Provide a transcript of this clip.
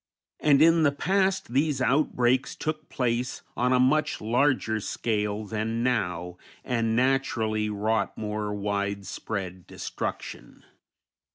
And in the past these outbreaks took place on a much larger scale than now, and naturally wrought more widespread destruction.